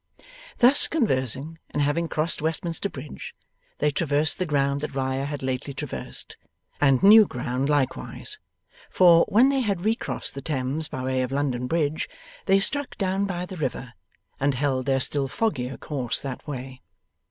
Thus conversing, and having crossed Westminster Bridge, they traversed the ground that Riah had lately traversed, and new ground likewise; for, when they had recrossed the Thames by way of London Bridge, they struck down by the river and held their still foggier course that way.